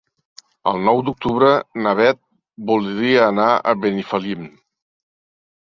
El nou d'octubre na Beth voldria anar a Benifallim.